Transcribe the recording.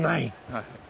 はい。